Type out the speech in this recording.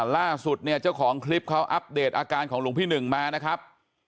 ล่าสุดเนี่ยเจ้าของคลิปเขาอัปเดตอาการของหลวงพี่หนึ่งมานะครับ